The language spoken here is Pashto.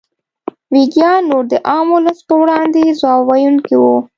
ویګیان نور د عام ولس په وړاندې ځواب ویونکي وو.